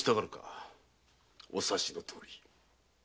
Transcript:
お察しのとおり。